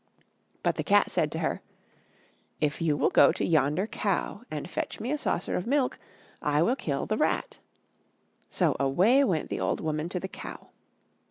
But the cat said to her, "If you will go to yonder cow, and fetch me a saucer of milk, I will kill the rat." So away went the old woman to the cow.